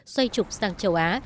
xoay trục sang châu á